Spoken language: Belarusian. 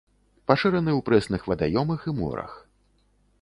Пашыраны ў прэсных вадаёмах і морах.